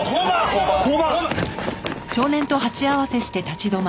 交番！